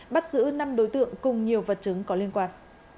bắt giữ năm đối tượng cùng nhiều vật chứng có liên quan